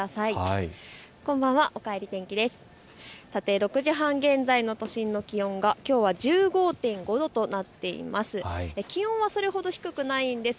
６時半現在の都心の気温はきょうは１５．５度となっています。